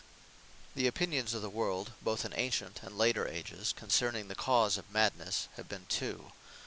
The opinions of the world, both in antient and later ages, concerning the cause of madnesse, have been two.